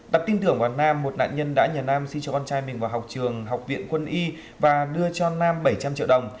đặt tin tưởng vào nam một nạn nhân đã nhờ nam xin cho con trai mình vào học trường học viện quân y và đưa cho nam bảy trăm linh triệu đồng